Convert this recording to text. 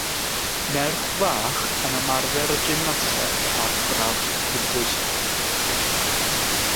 Merch fach yn ymarfer gymnasteg ar drawst cydbwysedd.